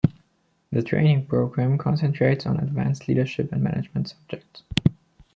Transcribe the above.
The training program concentrates on advanced leadership and management subjects.